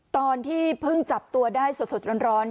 ตอนที่เพิ่งจับตัวได้สดร้อน